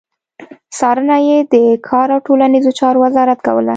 څارنه يې د کار او ټولنيزو چارو وزارت کوله.